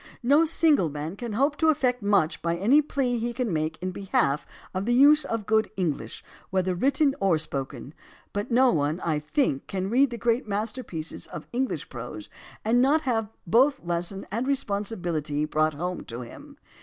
No single man can hope to effect much by any plea he can make in behalf of the use of good English, whether written or spoken. But no one, I think, can read the great masterpieces of English prose and not have both lesson and responsibility brought home to him.